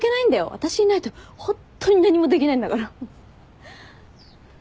私いないとホントに何もできないんだから。